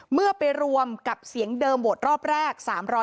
เมื่อไปรวมกับเสียงเดิมโหวตรอบแรก